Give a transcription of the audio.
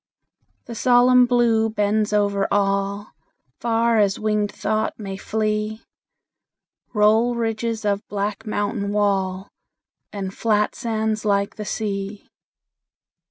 The solemn Blue bends over all; Far as winged thought may flee Roll ridges of black mountain wall, And flat sands like the sea.